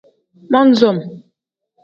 Mon-som.